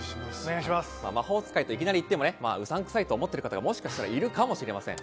魔法使いといきなり言ってもね、うさんくさいと思ってる方がもしかしたらいるかもしれません。